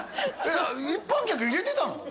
一般客入れてたの？